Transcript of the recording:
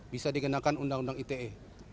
bisa dikenakan undang undang ite